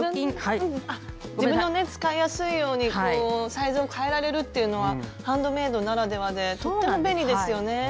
自分の使いやすいようにサイズを変えられるっていうのはハンドメイドならではでとっても便利ですよね。